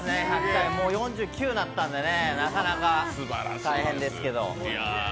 もう４９になったのでなかなか大変ですけど。